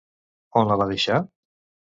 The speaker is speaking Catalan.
On la va deixar?